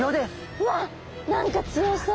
うわっ何か強そう。